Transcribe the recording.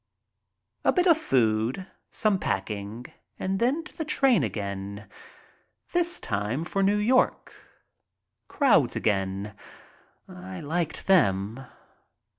A bit of food, some packing, and then to the train again. This time for New York. Crowds again. I liked them.